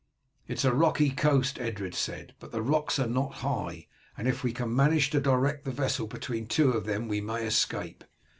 "It is a rocky coast," Edred said, "but the rocks are not high, and if we can manage to direct the vessel between two of them we may escape.